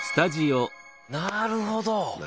なるほど！